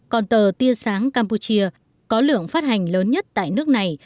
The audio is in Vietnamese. còn tờ tia sáng campuchia có lượng phát hành lớn nhất tại nước này